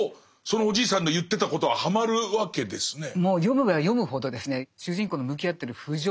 そのおじいさんの言ってたことははまるわけですね。